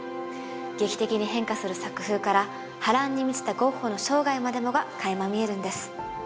劇的に変化する作風から波乱に満ちたゴッホの生涯までもがかいま見えるんです